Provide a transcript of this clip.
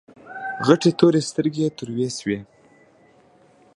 غټې تورې سترګې يې تروې شوې.